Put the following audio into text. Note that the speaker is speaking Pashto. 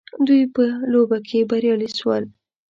دوی په لوبه کي بريالي سول